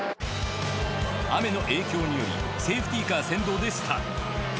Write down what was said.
雨の影響によりセーフティカー先導でスタート。